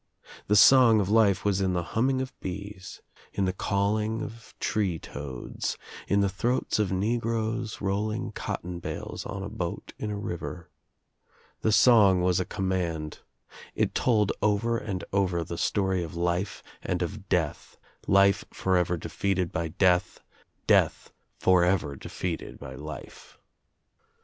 The song of life was in the humming of bees, in the calling of tree toads, in the throats of negroes rolling cotton bales on a boat in a river. The song was a command. It told over and over the story of life and of death, life forever defeated by death, death forever defeated by life.